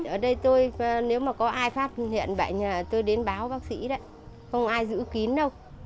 ở đây tôi nếu mà có ai phát hiện bệnh là tôi đến báo bác sĩ đấy không ai giữ kín đâu